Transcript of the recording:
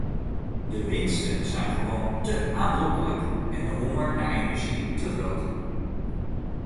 De winsten zijn gewoon te aanlokkelijk en de honger naar energie te groot.